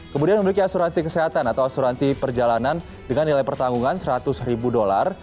kemudian memiliki asuransi kesehatan atau asuransi perjalanan dengan nilai pertanggungan seratus ribu dolar